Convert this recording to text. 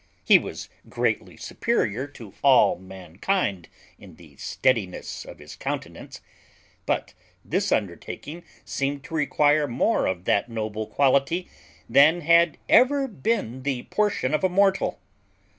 He was greatly superior to all mankind in the steadiness of his countenance, but this undertaking seemed to require more of that noble quality than had ever been the portion of a mortal.